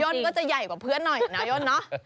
ก็จะใหญ่กว่าเพื่อนหน่อยนะย่นเนอะ